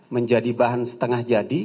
menjadi bahan setengah jadi